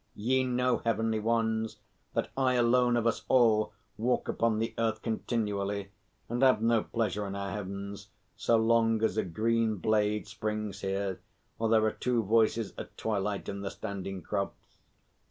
Ye know, Heavenly Ones, that I alone of us all walk upon the earth continually, and have no pleasure in our heavens so long as a green blade springs here, or there are two voices at twilight in the standing crops.